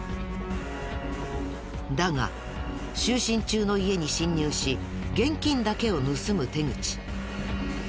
だが就寝中の家に侵入し現金だけを盗む手口。